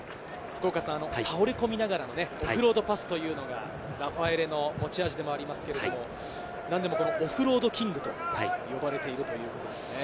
倒れ込みながらのオフロードパスというのがラファエレの持ち味でもありますが、オフロードキングと呼ばれているという。